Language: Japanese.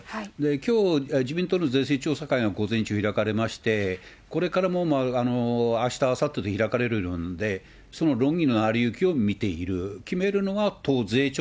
きょう、自民党の税制調査会が午前中開かれまして、これからもあした、あさってと開かれるようなので、その論議の成り行きを見ている。